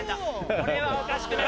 俺はおかしくない。